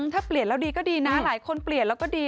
ถ้าเปลี่ยนแล้วดีก็ดีนะหลายคนเปลี่ยนแล้วก็ดี